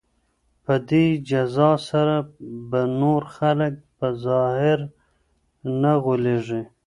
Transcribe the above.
په دې جزا سره به نور خلک په ظاهر نه غولیږي.